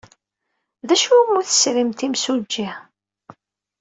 D acu umi tesrimt imsujji?